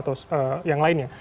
atau yang lainnya